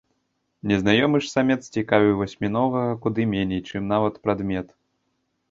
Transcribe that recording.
Незнаёмы ж самец цікавіў васьмінога куды меней, чым нават прадмет.